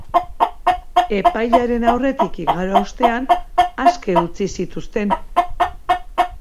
Epailearen aurretik igaro ostean aske utzi zituzten.